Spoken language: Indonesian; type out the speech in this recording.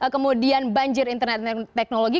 kemudian banjir internet dan teknologi